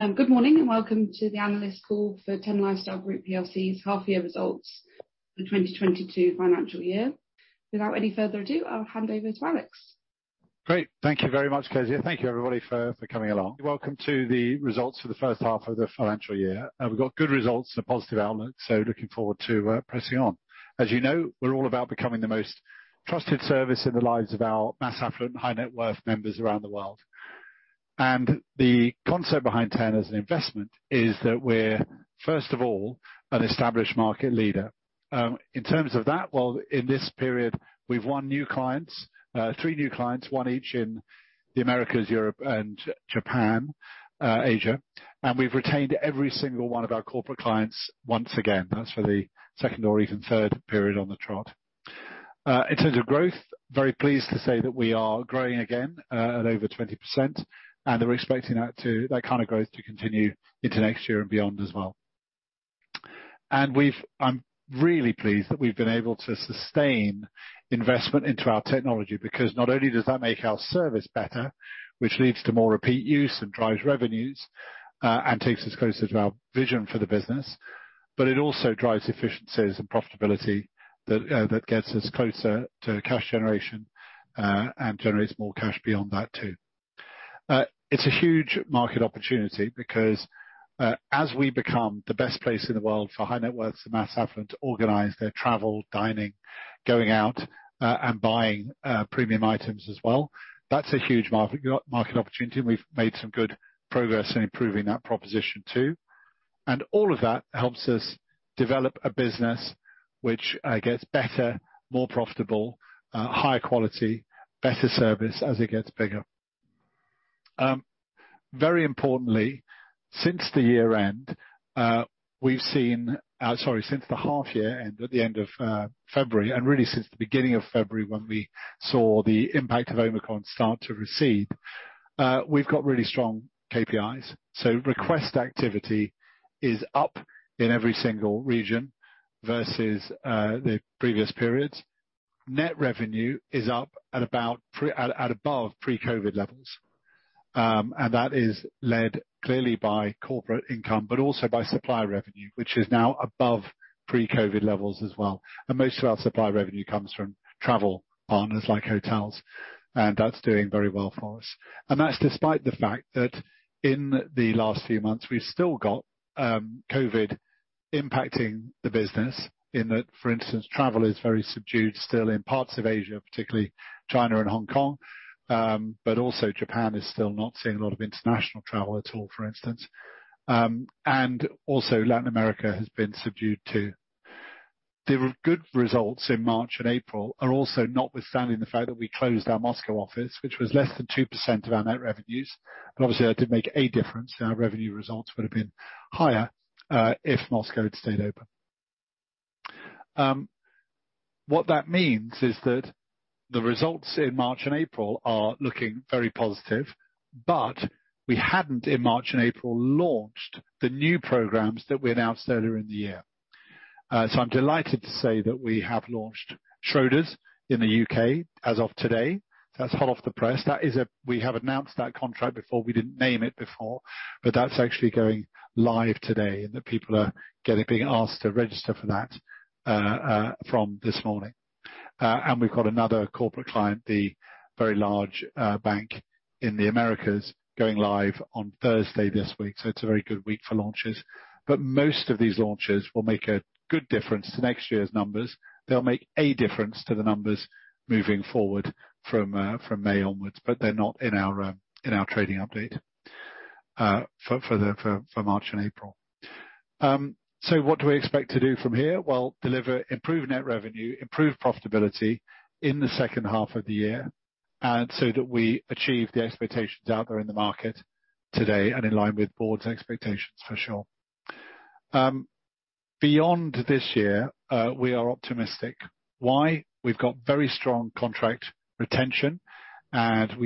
Good morning and welcome to the Analyst Call for Ten Lifestyle Group PLC's half-year results for 2022 financial year. Without any further ado, I'll hand over to Alex. Great. Thank you very much, Kezia. Thank you everybody for coming along. Welcome to the results for the H1 of the financial year. We've got good results and a positive outlook, so looking forward to pressing on. As you know, we're all about becoming the most trusted service in the lives of our mass affluent and high net worth members around the world. The concept behind Ten as an investment is that we're, first of all, an established market leader. In terms of that, well, in this period, we've won new clients, three new clients, one each in the Americas, Europe and Japan, Asia. We've retained every single one of our corporate clients once again. That's for the second or even third period on the trot. In terms of growth, very pleased to say that we are growing again at over 20%, and we're expecting that kind of growth to continue into next year and beyond as well. I'm really pleased that we've been able to sustain investment into our technology because not only does that make our service better, which leads to more repeat use and drives revenues, and takes us closer to our vision for the business, but it also drives efficiencies and profitability that gets us closer to cash generation, and generates more cash beyond that too. It's a huge market opportunity because, as we become the best place in the world for high net worth to mass affluent, to organize their travel, dining, going out, and buying premium items as well, that's a huge market opportunity, and we've made some good progress in improving that proposition too. All of that helps us develop a business which gets better, more profitable, higher quality, better service as it gets bigger. Very importantly, since the half-year end at the end of February, and really since the beginning of February when we saw the impact of Omicron start to recede, we've got really strong KPIs. Request activity is up in every single region versus the previous periods. Net revenue is up above pre-COVID levels. That is led clearly by corporate income, but also by supply revenue, which is now above pre-COVID levels as well. Most of our supply revenue comes from travel partners like hotels, and that's doing very well for us. That's despite the fact that in the last few months we've still got COVID-19 impacting the business in that, for instance, travel is very subdued still in parts of Asia, particularly China and Hong Kong. Japan is still not seeing a lot of international travel at all, for instance. Latin America has been subdued too. The good results in March and April are also notwithstanding the fact that we closed our Moscow office, which was less than 2% of our net revenues. Obviously that did make a difference. Our revenue results would've been higher if Moscow had stayed open. What that means is that the results in March and April are looking very positive, but we hadn't, in March and April, launched the new programs that we announced earlier in the year. I'm delighted to say that we have launched Schroders in the UK as of today. That's hot off the press. We have announced that contract before. We didn't name it before, but that's actually going live today and the people are being asked to register for that from this morning. We've got another corporate client, the very large bank in the Americas, going live on Thursday this week. It's a very good week for launches. Most of these launches will make a good difference to next year's numbers. They'll make a difference to the numbers moving forward from May onwards, but they're not in our trading update for March and April. What do we expect to do from here? Well, deliver improved net revenue, improved profitability in the second half of the year, and so that we achieve the expectations out there in the market today and in line with board's expectations for sure. Beyond this year, we are optimistic. Why? We've got very strong contract retention, and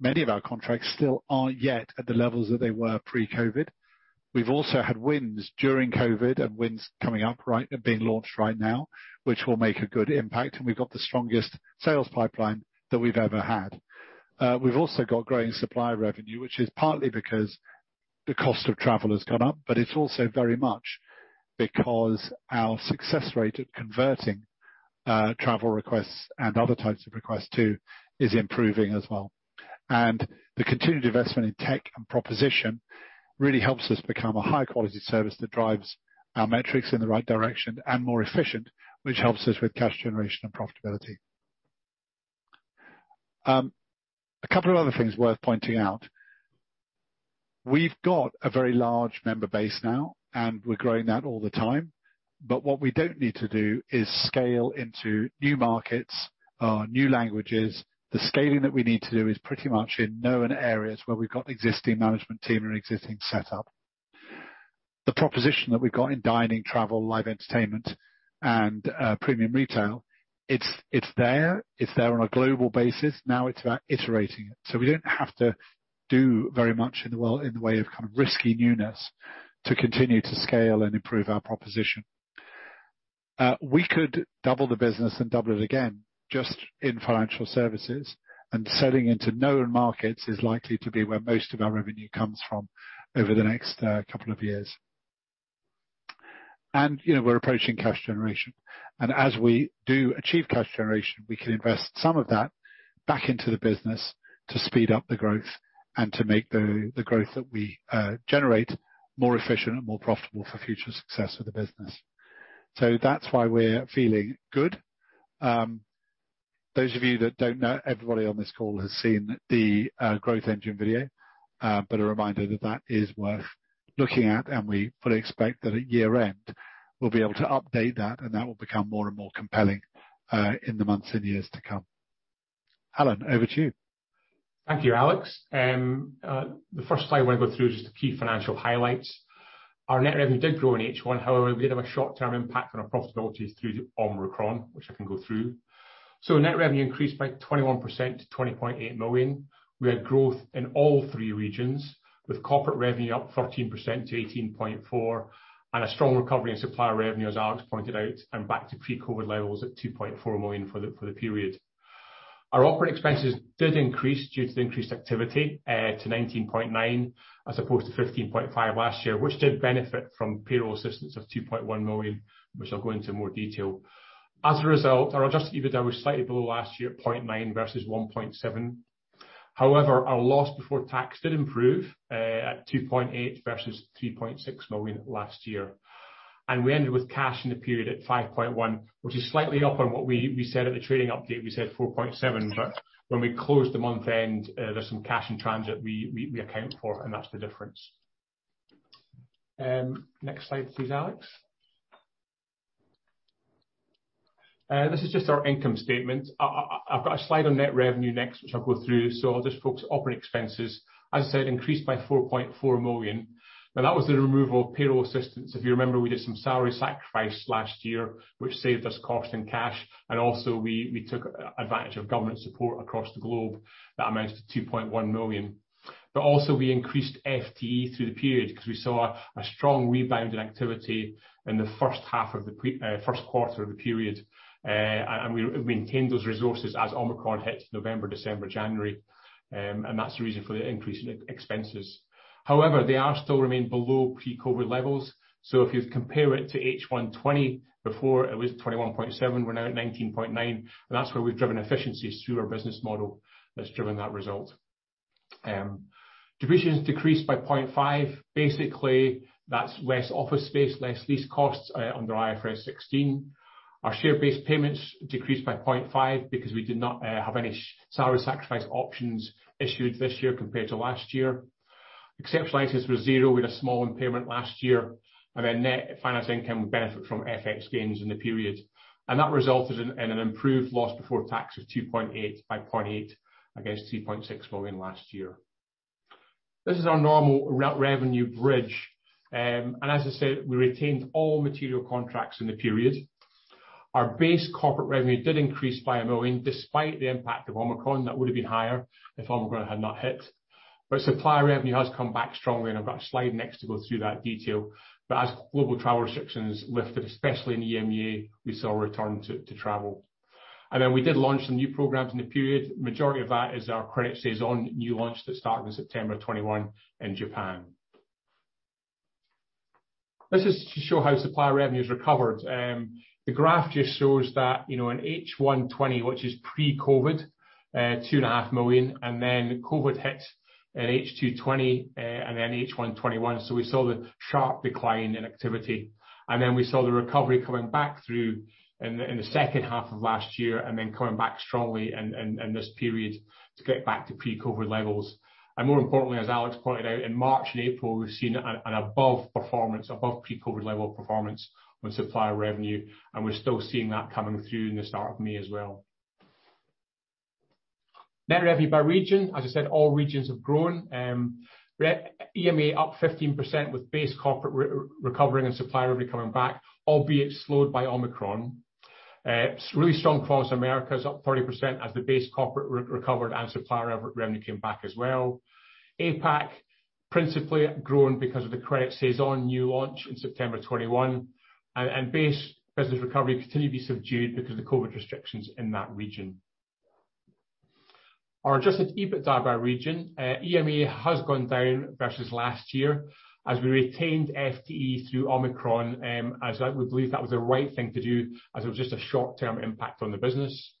many of our contracts still aren't yet at the levels that they were pre-COVID. We've also had wins during COVID-19 and wins coming up, right, being launched right now, which will make a good impact, and we've got the strongest sales pipeline that we've ever had. We've also got growing supply revenue, which is partly because the cost of travel has gone up, but it's also very much because our success rate at converting, travel requests and other types of requests too is improving as well. The continued investment in tech and proposition really helps us become a high-quality service that drives our metrics in the right direction, and more efficient, which helps us with cash generation and profitability. A couple of other things worth pointing out. We've got a very large member base now, and we're growing that all the time, but what we don't need to do is scale into new markets or new languages. The scaling that we need to do is pretty much in known areas where we've got existing management team and existing setup. The proposition that we've got in dining, travel, live entertainment and premium retail, it's there on a global basis. Now it's about iterating it. We don't have to do very much in the world in the way of kind of risky newness to continue to scale and improve our proposition. We could double the business and double it again just in financial services, and selling into known markets is likely to be where most of our revenue comes from over the next couple of years. We're approaching cash generation, and as we do achieve cash generation, we can invest some of that back into the business to speed up the growth and to make the growth that we generate more efficient and more profitable for future success of the business. That's why we're feeling good. Those of you that don't know, everybody on this call has seen the growth engine video, but a reminder that that is worth looking at, and we would expect that at year-end, we'll be able to update that, and that will become more and more compelling in the months and years to come. Alan, over to you. Thank you, Alex. The first slide I wanna go through is the key financial highlights. Our net revenue did grow in H1. However, we did have a short-term impact on our profitability through Omicron, which I can go through. Net revenue increased by 21% to 20.8 million. We had growth in all three regions, with corporate revenue up 13% to 18.4 million and a strong recovery in supplier revenue, as Alex pointed out, and back to pre-COVID levels at 2.4 million for the period. Our operating expenses did increase due to the increased activity to 19.9 million, as opposed to 15.5 million last year, which did benefit from payroll assistance of 2.1 million, which I'll go into more detail. As a result, our adjusted EBITDA was slightly below last year at 0.9 million versus 1.7 million. However, our loss before tax did improve at 2.8 million versus 3.6 million last year. We ended with cash in the period at 5.1 million, which is slightly up on what we said at the trading update. We said 4.7 million, but when we closed the month end, there's some cash in transit we account for, and that's the difference. Next slide please, Alex. This is just our income statement. I've got a slide on net revenue next, which I'll go through, so I'll just focus operating expenses. As I said, increased by 4.4 million. Now, that was the removal of payroll assistance. If you remember, we did some salary sacrifice last year, which saved us cost and cash, and also we took advantage of government support across the globe. That amounts to 2.1 million. We also increased FTE through the period 'cause we saw a strong rebound in activity in the first half of the first quarter of the period. We maintained those resources as Omicron hit November through January, and that's the reason for the increase in expenses. However, they still remain below pre-COVID levels, so if you compare it to H1 2020, before it was 21.7 million. We're now at 19.9 million, and that's where we've driven efficiencies through our business model that's driven that result. Depreciations decreased by 0.5 million. Basically, that's less office space, less lease costs under IFRS 16. Our share-based payments decreased by 0.5 million because we did not have any salary sacrifice options issued this year compared to last year. Exceptional items were nil. We had a small impairment last year. Net finance income would benefit from FX gains in the period. That resulted in an improved loss before tax of 2.8 million by 0.8 million compared to 3.6 million last year. This is our normal revenue bridge. As I said, we retained all material contracts in the period. Our base corporate revenue did increase by 1 million, despite the impact of Omicron. That would've been higher if Omicron had not hit. Supplier revenue has come back strongly, and I've got a slide next to go through that detail. As global travel restrictions lifted, especially in EMEA, we saw a return to travel. We did launch some new programs in the period. Majority of that is our Credit Saison new launch that started in September of 2021 in Japan. This is to show how supplier revenue has recovered. The graph just shows that, in H1 2020, which is pre-COVID, 2.5 million, and then COVID-19 hit in H2 2020, and then H1 2021. We saw the sharp decline in activity. We saw the recovery coming back through in the H2 of last year and then coming back strongly in this period to get back to pre-COVID levels. More importantly, as Alex pointed out, in March and April, we've seen above pre-COVID level performance on supplier revenue, and we're still seeing that coming through in the start of May as well. Net revenue by region, as I said, all regions have grown. EMEA up 15% with base corporate recovering and supplier revenue coming back, albeit slowed by Omicron. Really strong performance Americas, up 40% as the base corporate recovered and supplier revenue came back as well. APAC principally grown because of the Credit Saison new launch in September 2021. Base business recovery continued to be subdued because of the COVID-19 restrictions in that region. Our adjusted EBITDA by region, EMEA has gone down versus last year as we retained FTE through Omicron, as we believed that was the right thing to do, as it was just a short-term impact on the business.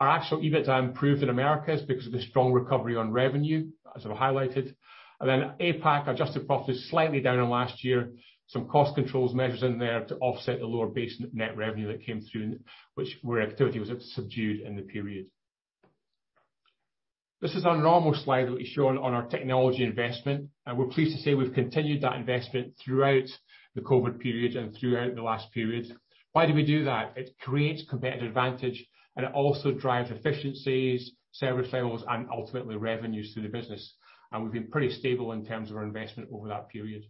Our actual EBITDA improved in Americas because of the strong recovery on revenue, as I've highlighted. APAC adjusted profit is slightly down on last year. Some cost control measures in there to offset the lower base net revenue that came through in which activity was subdued in the period. This is a normal slide that we show on our technology investment, and we're pleased to say we've continued that investment throughout the COVID-19 period and throughout the last period. Why do we do that? It creates competitive advantage, and it also drives efficiencies, service levels, and ultimately revenues to the business, and we've been pretty stable in terms of our investment over that period.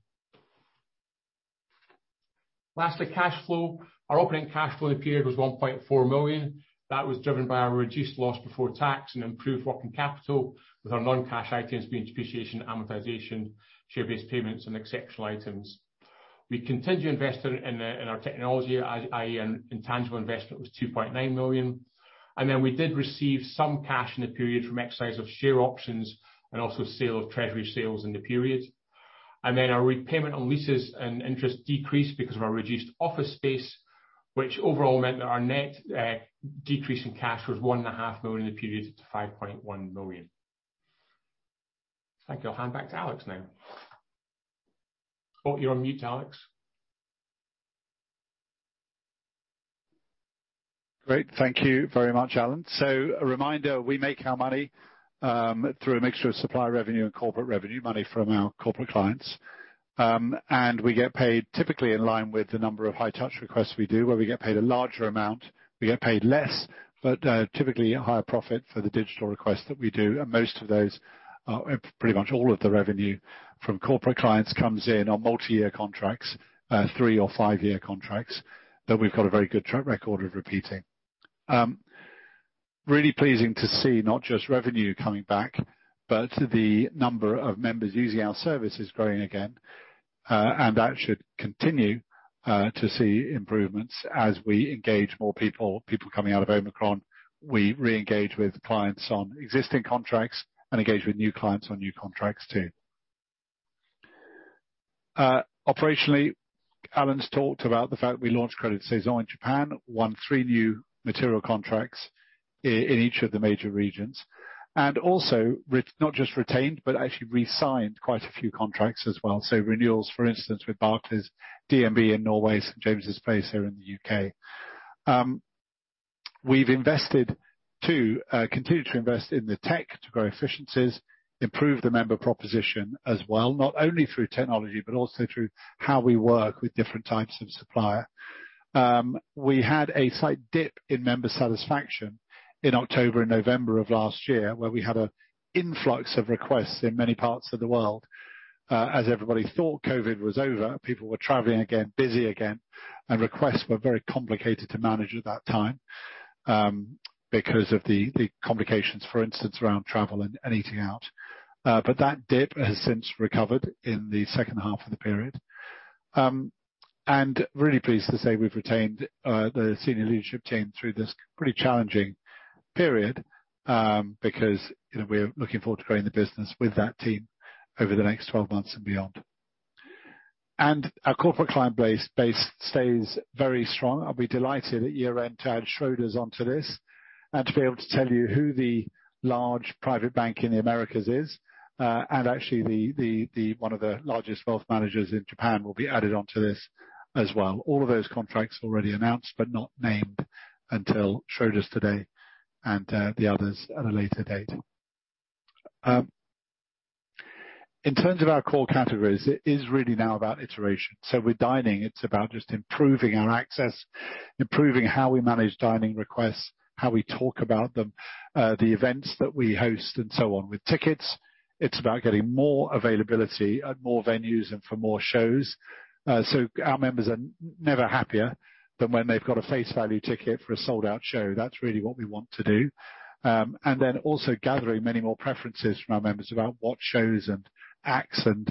Lastly, cash flow. Our operating cash flow in the period was 1.4 million. That was driven by our reduced loss before tax and improved working capital with our non-cash items being depreciation, amortization, share-based payments, and exceptional items. We continue to invest in our technology, i.e., intangible investment was 2.9 million. We did receive some cash in the period from exercise of share options and also sale of treasury shares in the period. Our repayment on leases and interest decreased because of our reduced office space, which overall meant that our net decrease in cash was 1.5 million in the period to 5.1 million. Thank you. I'll hand back to Alex now. Oh, you're on mute, Alex. Great. Thank you very much, Alan. A reminder, we make our money through a mixture of supplier revenue and corporate revenue, money from our corporate clients. We get paid typically in line with the number of high touch requests we do, where we get paid a larger amount. We get paid less, but typically a higher profit for the digital requests that we do. Pretty much all of the revenue from corporate clients comes in on multi-year contracts, three or five-year contracts that we've got a very good track record of repeating. Really pleasing to see not just revenue coming back, but the number of members using our service is growing again, and that should continue to see improvements as we engage more people coming out of Omicron. We continue to re-engage with clients on existing contracts and engage with new clients on new contracts too. Operationally, Alan's talked about the fact that we launched Credit Saison in Japan, won three new material contracts in each of the major regions, and also not just retained, but actually resigned quite a few contracts as well. Renewals, for instance, with Barclays, DNB in Norway, St. James’s Place here in the U.K. We've invested to continue to invest in the tech to grow efficiencies, improve the member proposition as well, not only through technology, but also through how we work with different types of supplier. We had a slight dip in member satisfaction in October and November of last year, where we had an influx of requests in many parts of the world. As everybody thought COVID-19 was over, people were traveling again, busy again, and requests were very complicated to manage at that time, because of the complications, for instance, around travel and eating out. That dip has since recovered in the second half of the period. Really pleased to say we've retained the senior leadership team through this pretty challenging period, because, we're looking forward to growing the business with that team over the next 12 months and beyond. Our corporate client base stays very strong. I'll be delighted at year-end to add Schroders onto this and to be able to tell you who the large private bank in the Americas is. Actually one of the largest wealth managers in Japan will be added onto this as well. All of those contracts already announced, but not named until Schroders today and the others at a later date. In terms of our core categories, it is really now about iteration. With dining, it's about just improving our access, improving how we manage dining requests, how we talk about them, the events that we host and so on. With tickets, it's about getting more availability at more venues and for more shows. Our members are never happier than when they've got a face value ticket for a sold-out show. That's really what we want to do. Also gathering many more preferences from our members about what shows and acts and,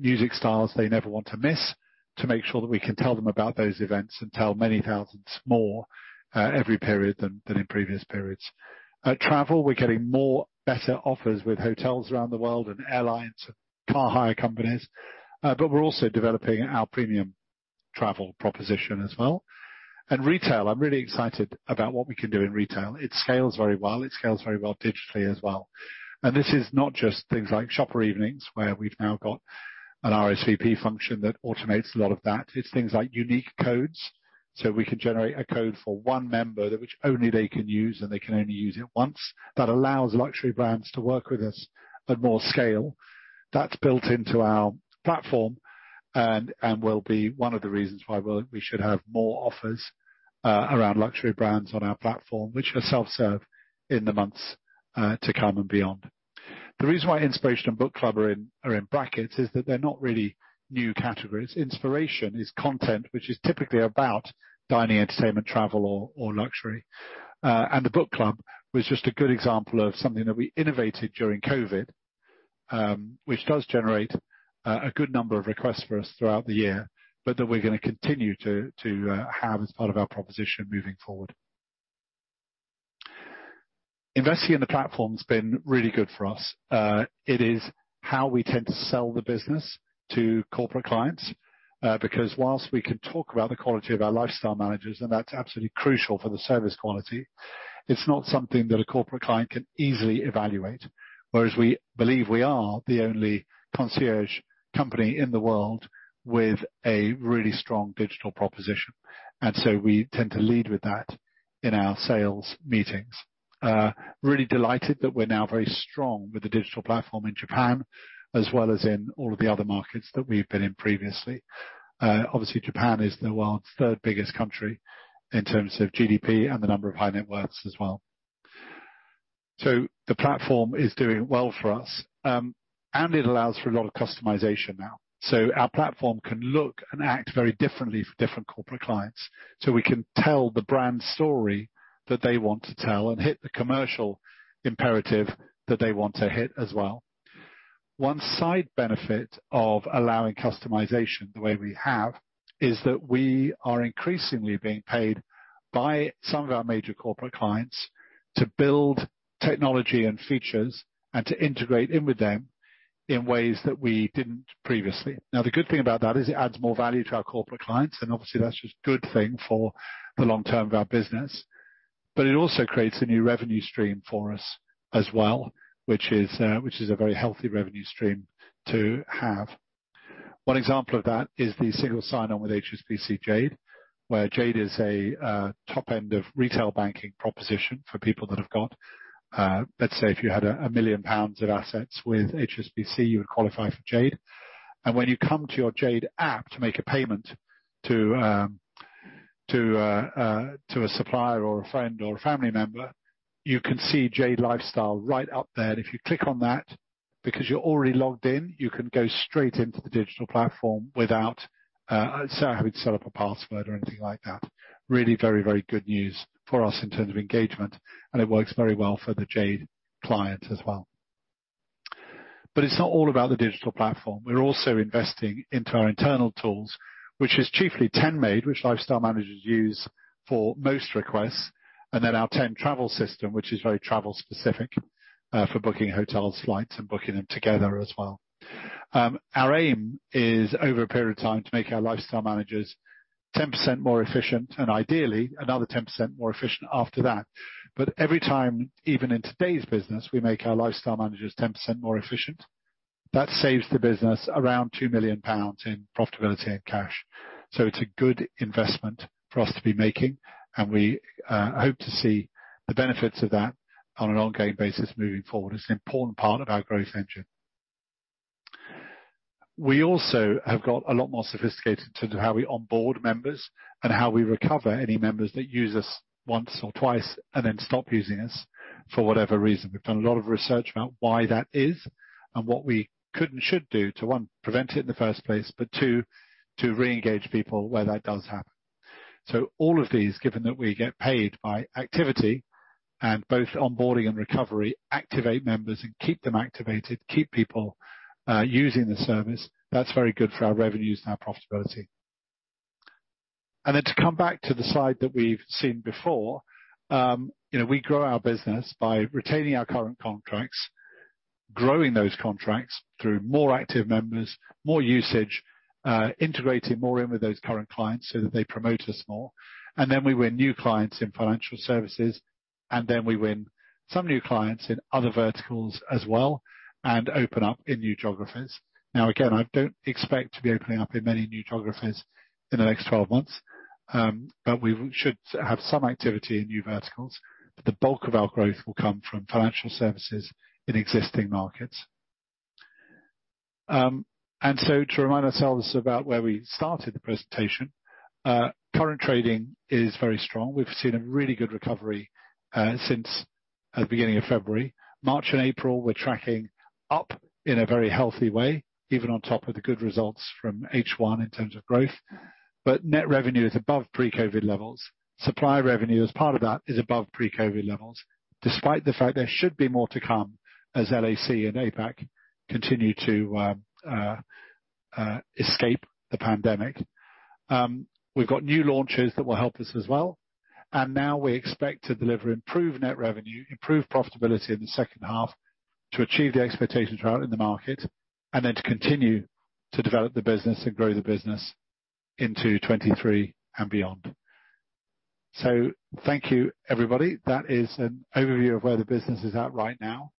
music styles they never want to miss, to make sure that we can tell them about those events and tell many thousands more every period than in previous periods. At travel, we're getting more and better offers with hotels around the world and airlines, car hire companies. We're also developing our premium travel proposition as well. Retail, I'm really excited about what we can do in retail. It scales very well. It scales very well digitally as well. This is not just things like shopper evenings, where we've now got an RSVP function that automates a lot of that. It's things like unique codes, so we can generate a code for one member that only they can use, and they can only use it once. That allows luxury brands to work with us at more scale. That's built into our platform and will be one of the reasons why we should have more offers around luxury brands on our platform, which are self-serve in the months to come and beyond. The reason why Inspiration and Book Club are in brackets is that they're not really new categories. Inspiration is content which is typically about dining, entertainment, travel or luxury. The Book Club was just a good example of something that we innovated during COVID-19, which does generate a good number of requests for us throughout the year, but that we're gonna continue to have as part of our proposition moving forward. Investing in the platform's been really good for us. It is how we tend to sell the business to corporate clients, because while we can talk about the quality of our lifestyle managers, and that's absolutely crucial for the service quality, it's not something that a corporate client can easily evaluate. Whereas we believe we are the only concierge company in the world with a really strong digital proposition. We tend to lead with that in our sales meetings. Really delighted that we're now very strong with the digital platform in Japan as well as in all of the other markets that we've been in previously. Obviously, Japan is the world's third biggest country in terms of GDP and the number of high-net-worth as well. The platform is doing well for us, and it allows for a lot of customization now. Our platform can look and act very differently for different corporate clients. We can tell the brand story that they want to tell and hit the commercial imperative that they want to hit as well. One side benefit of allowing customization the way we have is that we are increasingly being paid by some of our major corporate clients to build technology and features and to integrate in with them in ways that we didn't previously. Now, the good thing about that is it adds more value to our corporate clients, and obviously, that's just good thing for the long-term of our business. It also creates a new revenue stream for us as well, which is a very healthy revenue stream to have. One example of that is the single sign-on with HSBC Jade, where Jade is a top-end of retail banking proposition for people that have got, let's say, if you had a million pounds of assets with HSBC, you would qualify for Jade. When you come to your Jade app to make a payment to a supplier or a friend or a family member, you can see Jade Lifestyle right up there. If you click on that, because you're already logged in, you can go straight into the digital platform without having to set up a password or anything like that. Really very, very good news for us in terms of engagement, and it works very well for the Jade client as well. It's not all about the digital platform. We're also investing into our internal tools, which is chiefly Ten MAID, which lifestyle managers use for most requests, and then our Ten Travel system, which is very travel specific, for booking hotels, flights, and booking them together as well. Our aim is, over a period of time, to make our lifestyle managers 10% more efficient and ideally another 10% more efficient after that. Every time, even in today's business, we make our lifestyle managers 10% more efficient. That saves the business around 2 million pounds in profitability and cash. It's a good investment for us to be making, and we hope to see the benefits of that on an ongoing basis moving forward. It's an important part of our growth engine. We also have got a lot more sophisticated in terms of how we onboard members and how we recover any members that use us once or twice and then stop using us for whatever reason. We've done a lot of research about why that is and what we could and should do to, one, prevent it in the first place, but two, to reengage people where that does happen. All of these, given that we get paid by activity and both onboarding and recovery, activate members and keep them activated, keep people using the service, that's very good for our revenues and our profitability. To come back to the slide that we've seen before, you know, we grow our business by retaining our current contracts, growing those contracts through more active members, more usage, integrating more in with those current clients so that they promote us more. We win new clients in financial services, and then we win some new clients in other verticals as well and open up in new geographies. Now, again, I don't expect to be opening up in many new geographies in the next 12 months, but we should have some activity in new verticals. The bulk of our growth will come from financial services in existing markets. To remind ourselves about where we started the presentation, current trading is very strong. We've seen a really good recovery since the beginning of February. March and April, we're tracking up in a very healthy way, even on top of the good results from H1 in terms of growth. Net revenue is above pre-COVID levels. Supplier revenue, as part of that, is above pre-COVID levels, despite the fact there should be more to come as LAC and APAC continue to escape the pandemic. We've got new launches that will help us as well. Now we expect to deliver improved net revenue, improved profitability in the second half to achieve the expectations we have in the market, and then to continue to develop the business and grow the business into 2023 and beyond. Thank you, everybody. That is an overview of where the business is at right now.